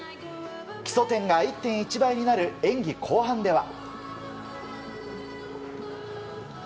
基礎点が１．１倍になる演技後半では。